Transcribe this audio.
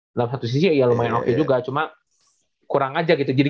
dalam satu sisi ya lumayan oke juga cuma kurang aja gitu